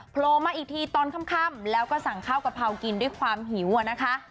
โผล่มาอีกทีตอนค่ำแล้วก็สั่งข้าวกะเพรากินด้วยความหิวอะนะคะ